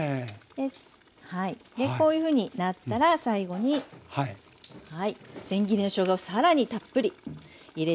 でこういうふうになったら最後にせん切りのしょうがを更にたっぷり入れていきます。